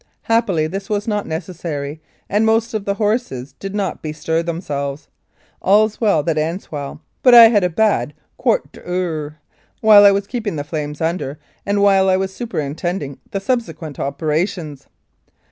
Happily, this was not necessary, and most of the horses did not bestir themselves. All's well that ends well, but I had a bad quart d'heure while I was keeping the flames under and while I was superin tending the subsequent operations.